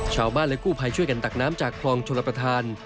ชาวบ้านและกู้ภัยช่วยกันตักน้ำจากคลองชลประธาน